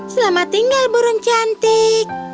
selamat tinggal burung cantik